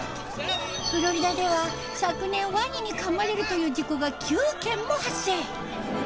フロリダでは昨年ワニにかまれるという事故が９件も発生。